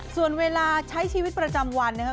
ส่วนเวลาใช้ชีวิตประจำวันนะครับ